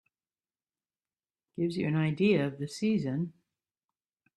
Gives you an idea of the season.